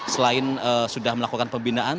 selain sudah melakukan pembinaan